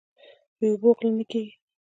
بې اوبو غله نه کیږي.